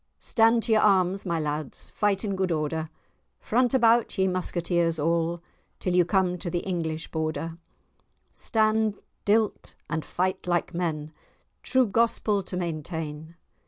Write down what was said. Stand to your arms, my lads, Fight in good order; Front about, ye musketeers all, Till ye come to the English Border; Stand till 't, and fight like men, True gospel to maintain.